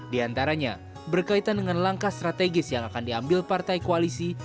di antaranya berkaitan dengan langkah strategis yang akan diambil partai koalisi